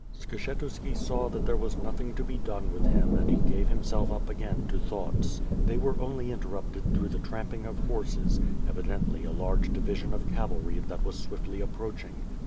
Skshetuski saw that there was nothing to be done with him and he gave himself up again to thoughts. They were only interrupted through the tramping of horses, evidently a large division of cavalry that was swiftly approaching.